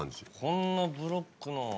こんなブロックの。